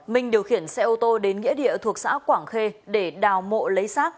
minh điều khiển xe ô tô đến nghĩa địa thuộc xã quảng khê để đào mộ lấy xác